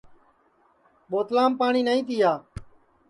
بوتلام پاٹؔی نائی تِیا